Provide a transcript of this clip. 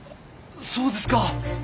そうですか！